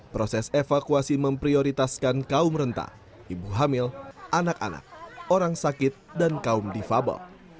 proses evakuasi memprioritaskan kaum rentah ibu hamil anak anak orang sakit dan kaum difabel